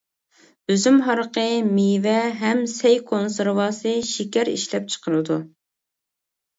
ئۈزۈم ھارىقى، مېۋە ھەم سەي كونسېرۋاسى، شېكەر ئىشلەپچىقىرىدۇ.